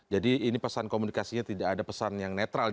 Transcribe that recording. jadi ini pesan komunikasinya tidak ada pesan komunikasi